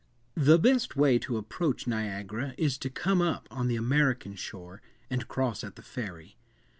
The best way to approach Niagara is to come up on the American shore, and cross at the ferry.